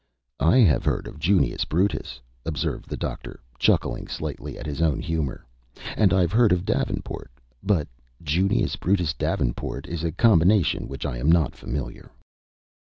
"I have heard of Junius Brutus," observed the Doctor, chuckling slightly at his own humor, "and I've heard of Davenport, but Junius Brutus Davenport is a combination with which I am not familiar."